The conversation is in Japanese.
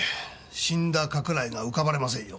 死んだ加倉井が浮かばれませんよ。